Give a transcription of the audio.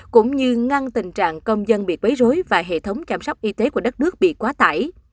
cũng như ngăn tình trạng công dân bị bấy rối và hệ thống chăm sóc y tế của đất nước bị quá tải